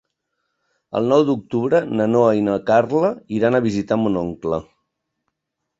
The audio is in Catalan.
El nou d'octubre na Noa i na Carla iran a visitar mon oncle.